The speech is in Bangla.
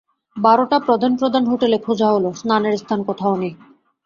বারোটা প্রধান প্রধান হোটেলে খোঁজা হল, স্নানের স্থান কোথাও নেই।